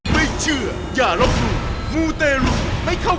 มูนไหน